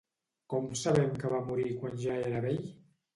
Com sabem que va morir quan ja era vell?